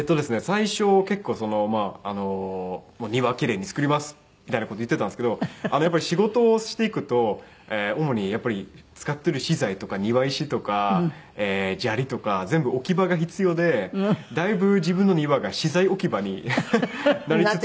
最初結構庭奇麗に造りますみたいな事言ってたんですけどやっぱり仕事をしていくと主に使ってる資材とか庭石とか砂利とか全部置き場が必要でだいぶ自分の庭が資材置き場になりつつあるんですけど。